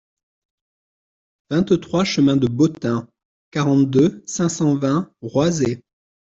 vingt-trois chemin de Beautin, quarante-deux, cinq cent vingt, Roisey